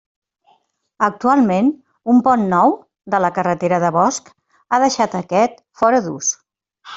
Actualment un Pont Nou, de la carretera de bosc, ha deixat aquest fora d'ús.